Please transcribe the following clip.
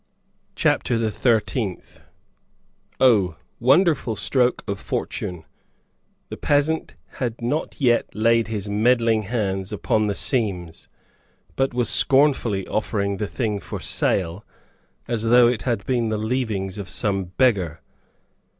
CHAPTER THE THIRTEENTH. Oh wonderful stroke of Fortune! The peasant had not yet laid his meddling hands upon the seams, but was scornfully offering the thing for sale, as though it had been the leavings of some beggar.